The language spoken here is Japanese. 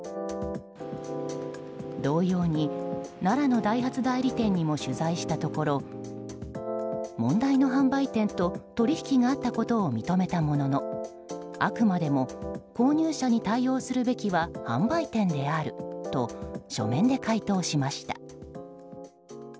同様に奈良のダイハツ代理店にも取材したところ問題の販売店と取り引きがあったことを認めたもののあくまでも購入者に対応するべきは販売店であると書面で回答しました。